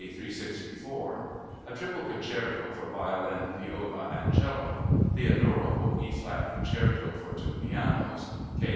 364); a triple concerto for violin, viola, and cello; the adorable E flat concerto for two pianos (K.